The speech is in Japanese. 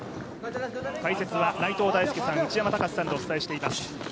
解説は内藤大助さん、内山高志さんでお伝えしています。